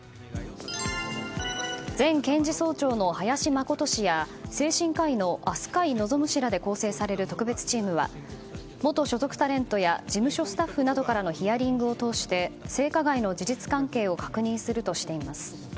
前検事総長の林眞琴氏や精神科医の飛鳥井望氏らで構成される特別チームは元所属タレントや事務所スタッフなどからのヒアリングを通して性加害の事実関係を確認するとしています。